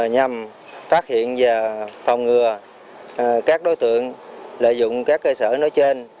nhằm phát hiện và phòng ngừa các đối tượng lợi dụng các cơ sở nói trên